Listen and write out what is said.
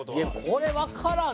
これわからん。